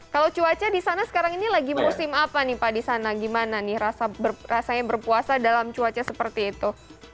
kalau cuaca di sana sekarang ini lagi musim apa nih pak di sana gimana nih rasanya berpuasa dalam cuaca seperti itu